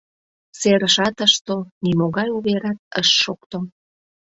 Серышат ыш тол, нимогай уверат ыш шокто.